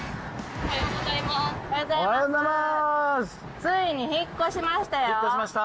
おはようございます。